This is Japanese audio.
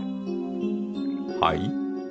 はい？